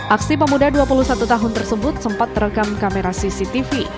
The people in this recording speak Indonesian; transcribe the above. aksi pemuda dua puluh satu tahun tersebut sempat terekam kamera cctv